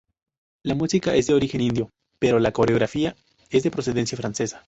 La música es de origen indio, pero la coreografía es de procedencia francesa.